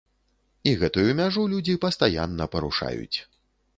І гэтую мяжу людзі пастаянна парушаюць.